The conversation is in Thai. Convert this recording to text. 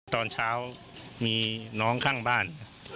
ตอนเช้ามีน้องข้างบ้าน